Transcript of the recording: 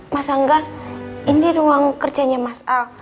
mas angga ini ruang kerjanya mas al